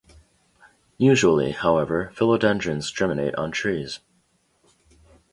Usually, however, philodendrons germinate on trees.